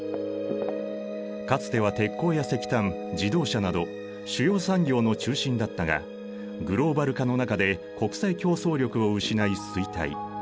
かつては鉄鋼や石炭自動車など主要産業の中心だったがグローバル化の中で国際競争力を失い衰退。